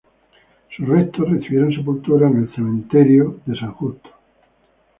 Sus restos recibieron sepultura en el cementerio de la Sacramental de San Justo.